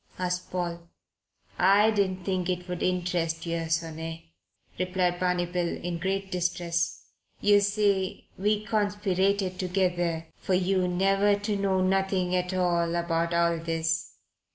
asked Paul. "I didn't think it would interest yer, sonny," replied Barney Bill, in great distress. "Yer see, we conspirated together for yer never to know nothing at all about all this.